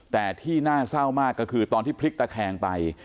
แต่ที่น่าเศร้ามากก็คือตอนที่พลิกตะแคงไป